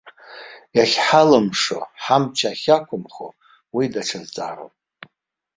Иахьҳалымшо, ҳамч ахьақәымхо, уи даҽа зҵаароуп.